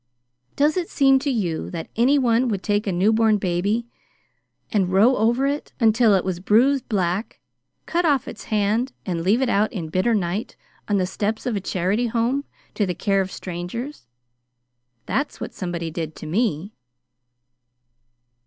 Does it seem to you that anyone would take a newborn baby and row over it, until it was bruised black, cut off its hand, and leave it out in a bitter night on the steps of a charity home, to the care of strangers? That's what somebody did to me."